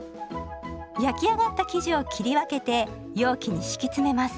焼き上がった生地を切り分けて容器に敷き詰めます。